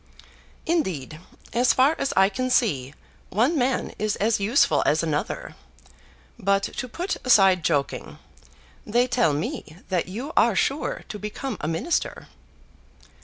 "Indeed, as far as I can see, one man is as useful as another. But to put aside joking, they tell me that you are sure to become a minister."